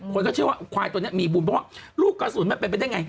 คนก็เชื่อว่าควายตัวนี้มีบุญเพราะว่าลูกกระสุนมันเป็นไปได้ไง